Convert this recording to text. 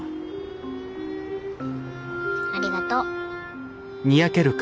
ありがとう。